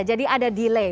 jadi ada delay